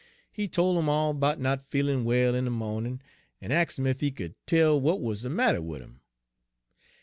He tol' 'im all 'bout not feelin' well in de mawnin', en ax' 'im ef he could tell w'at wuz de matter wid 'im.